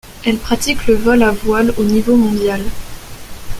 Elle pratique le vol à voile au niveau mondial.